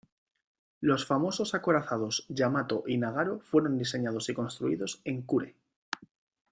Los famosos acorazados "Yamato" y "Nagato" fueron diseñados y construidos en Kure.